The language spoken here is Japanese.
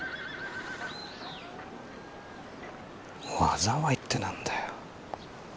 「災い」って何だよ。